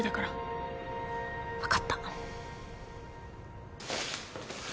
分かった。